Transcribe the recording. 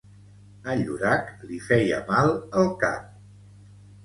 A Llorac li feia mal el cap.